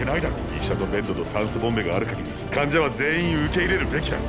医者とベッドと酸素ボンベがある限り患者は全員受け入れるべきだ。